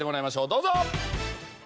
どうぞ！